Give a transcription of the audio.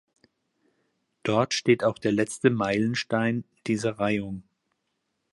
Dort steht auch der letzte Meilenstein dieser Reihung.